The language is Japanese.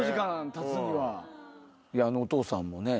あのお父さんもね